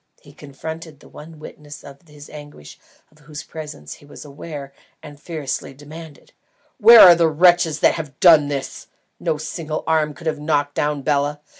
he confronted the one witness of his anguish of whose presence he was aware, and fiercely demanded: "Where are the wretches who have done this? No single arm could have knocked down Bela.